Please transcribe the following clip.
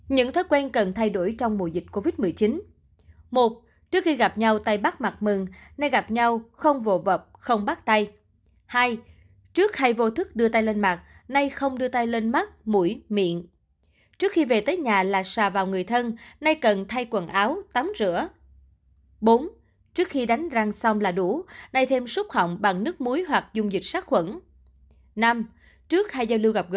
những thói quen cần thay đổi trong mùa dịch covid một mươi chín